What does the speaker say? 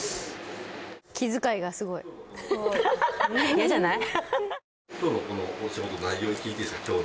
嫌じゃない？